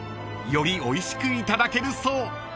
［よりおいしくいただけるそう］